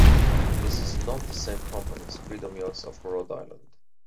This is not the same company as Freedom Yachts of Rhode Island.